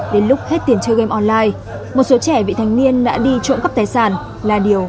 đến lúc hết tiền chơi game online một số trẻ vị thanh niên đã đi trộm cấp tài sản là điều